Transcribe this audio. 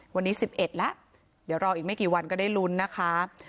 วันนี้๑๑แล้วเดี๋ยวรออีกไม่กี่วันก็ได้ลุ้นนะคะ